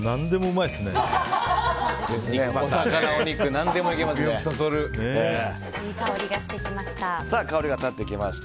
いい香りがしてきました。